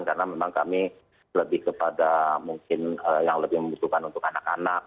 karena memang kami lebih kepada mungkin yang lebih membutuhkan untuk anak anak